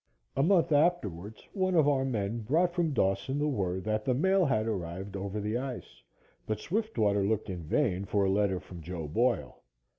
A month afterwards one of our men brought from Dawson the word that the mail had arrived over the ice, but Swiftwater looked in vain for a letter from Joe Boyle.